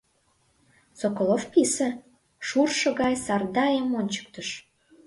Соколов писе, шуршо гай Сардайым ончыктыш.